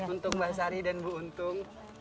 untuk mbak sari dan bu untung